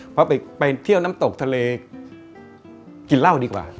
เพราะไปเที่ยวน้ำตกทะเลกินเหล้าดีกว่า